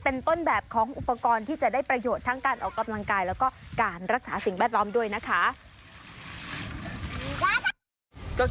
เป็นต้นแบบของอุปกรณ์ที่จะได้ประโยชน์ทั้งการออกกำลังกาย